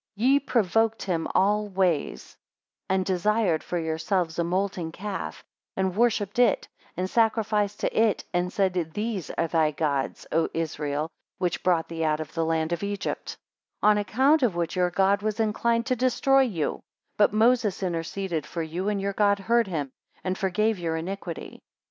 12 Ye provoked him all ways, and desired for yourselves a molten calf, and worshipped it, and sacrificed to it, and said, These are thy Gods, O Israel, which brought thee out of the land of Egypt: 13 On account of which your God was inclined to destroy you; but Moses interceded for you, and your God heard him, and forgave your iniquity.